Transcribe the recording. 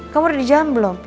kamu udah di jam belum